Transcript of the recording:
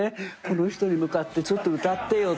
この人に向かって「ちょっと歌ってよ」